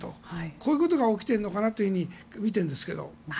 こういうことが起きているのかなとみているんですが。